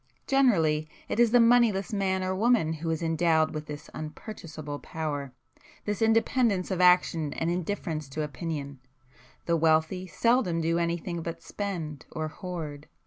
Generally it is the moneyless man or woman who is endowed with this unpurchaseable power,—this independence of action and indifference to opinion,—the wealthy seldom do anything but spend or hoard.